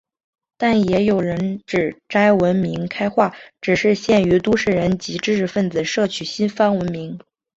但也有人指摘文明开化只是限于都市人及知识分子摄取西方文明。